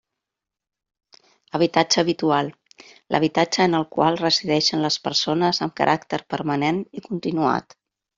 Habitatge habitual: l'habitatge en el qual resideixen les persones amb caràcter permanent i continuat.